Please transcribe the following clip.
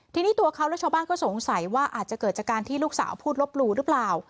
ทีนี้ตัวเขาและชาวบ้านก็สงสัยว่าอาจจะเกิดจากการที่ลูกสาวพูดลบหลู่หรือเปล่า